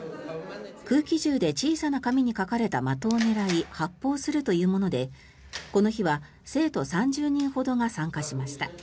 空気銃で小さな紙に書かれた的を狙い発砲するというものでこの日は生徒３０人ほどが参加しました。